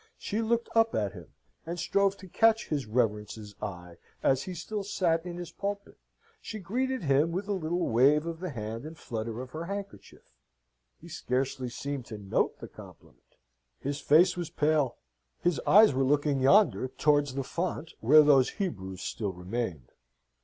She looked up at him, and strove to catch his reverence's eye, as he still sate in his pulpit; she greeted him with a little wave of the hand and flutter of her handkerchief. He scarcely seemed to note the compliment; his face was pale, his eyes were looking yonder, towards the font, where those Hebrews still remained.